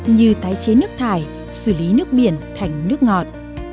như tái chế nước thải xử lý nước biển thành nước ngọt